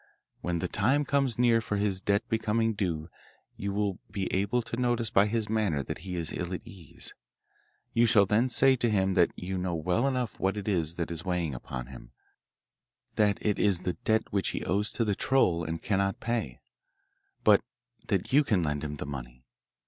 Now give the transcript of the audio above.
When the time comes near for his debt becoming due you will be able to notice by his manner that he is ill at ease. You shall then say to him that you know well enough what it is that is weighing upon him that it is the debt which he owes to the troll and cannot pay, but that you can lend him the money.